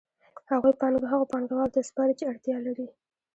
هغوی پانګه هغو پانګوالو ته سپاري چې اړتیا لري